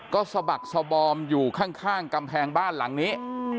ก็สะบักสบอมอยู่ข้างกำแพงบ้านหลังนี้